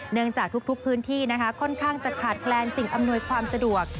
จากทุกพื้นที่ค่อนข้างจะขาดแคลนสิ่งอำนวยความสะดวก